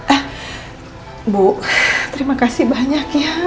eh bu terima kasih banyak ya